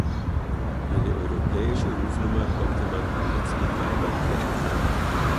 Eine Europäische Rufnummer konnte man bei Netzbetreibern beantragen.